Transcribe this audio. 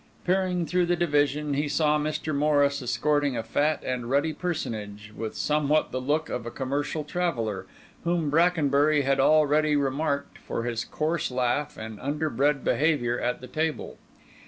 Peering through the division, he saw Mr. Morris escorting a fat and ruddy personage, with somewhat the look of a commercial traveller, whom Brackenbury had already remarked for his coarse laugh and under bred behaviour at the table.